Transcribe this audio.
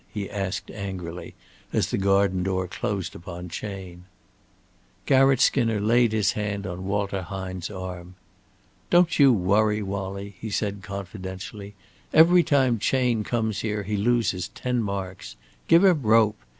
he asked, angrily, as the garden door closed upon Chayne. Garratt Skinner laid his hand on Walter Hine's arm. "Don't you worry, Wallie," he said, confidentially. "Every time Chayne comes here he loses ten marks. Give him rope!